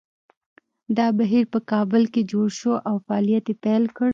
دا بهیر په کابل کې جوړ شو او فعالیت یې پیل کړ